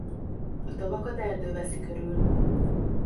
A tavakat erdő veszi körül.